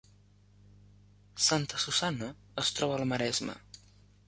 Santa Susanna es troba al Maresme